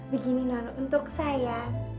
begini non untuk saya